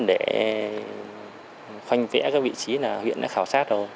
để khoanh vẽ các vị trí là huyện đã khảo sát rồi